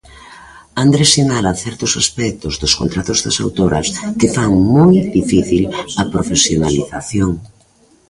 Andrés sinala certos aspectos dos contratos das autoras que fan moi difícil a profesionalización.